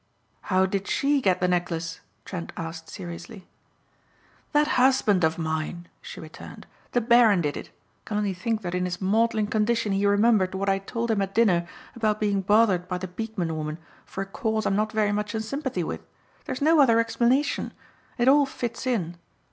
"How did she get the necklace?" Trent asked seriously. "That husband of mine," she returned. "The Baron did it. I can only think that in his maudlin condition he remembered what I had told him at dinner about being bothered by the Beekman woman for a cause I'm not very much in sympathy with. There is no other explanation. It all fits in.